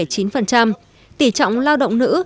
tỷ trọng lao động nữ